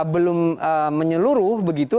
belum menyeluruh begitu